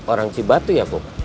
orang cibati ya kum